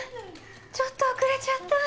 ・ちょっと遅れちゃった。